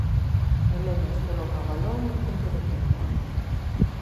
Melenas coloca o balón no punto de penalti.